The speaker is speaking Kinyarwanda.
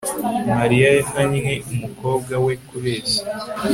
mariya yahannye umukobwa we kubeshya